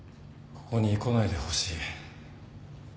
ここに来ないでほしい。